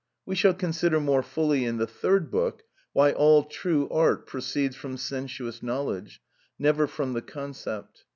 We shall consider more fully in the third book, why all true art proceeds from sensuous knowledge, never from the concept.